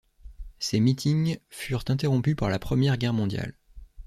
Ces meetings furent interrompus par la Première Guerre mondiale.